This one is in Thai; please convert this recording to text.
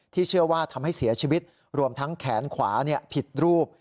เชื่อว่าทำให้เสียชีวิตรวมทั้งแขนขวาผิดรูป